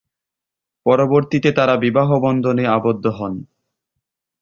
পরবর্তীতে তারা বিবাহবন্ধনে আবদ্ধ হন।